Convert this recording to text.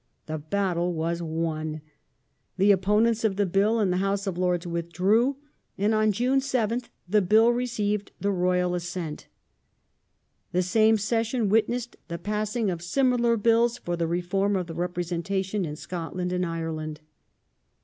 The battle was won. The op ponents of the Bill in the House of Lords withdrew, and on June 7th the Bill received the Royal assent. The same session witnessed the passing of similar Bills for the reform of the representation in Scotland and Ireland.